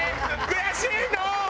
悔しいの！